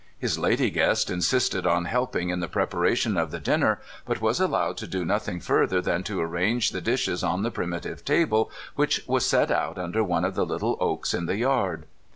His lady guest insisted on helping in the preparation of the dinner, but was allowed to do nothing further than to arrange the dishes on the primitive table, w^hich was set out under one of the Httle oaks in the yard.